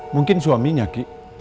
mungkin suaminya ki